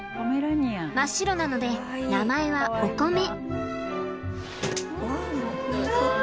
真っ白なので名前はおこめ。